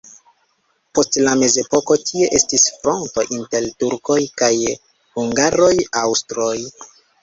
Post la mezepoko tie estis fronto inter turkoj kaj hungaroj-aŭstroj.